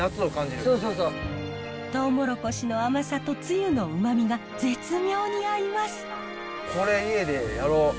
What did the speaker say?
トウモロコシの甘さとつゆのうまみが絶妙に合います。